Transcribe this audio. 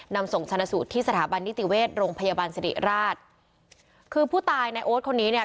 นำส่งชนะสูตรที่สถาบันนิติเวชโรงพยาบาลสิริราชคือผู้ตายในโอ๊ตคนนี้เนี่ย